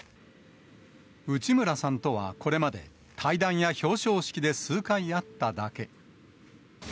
内村さんとはこれまで対談や表彰式で数回会っただけ。